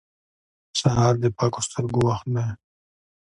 سهار د پاکو سترګو وخت دی.